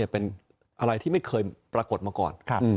เป็นอะไรที่ไม่เคยปรากฏมาก่อน